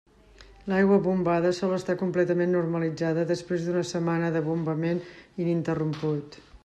L'aigua bombada sol estar completament normalitzada després d'una setmana de bombament ininterromput.